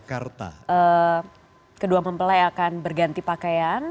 kedua mempelai akan berganti pakaian